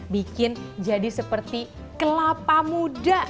bikin jadi seperti kelapa muda